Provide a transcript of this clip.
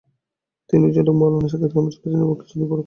তিনি জনৈক মাওলানার সাথে গ্রামে চলে যান এবং কিছুদিন উকালতি করেন।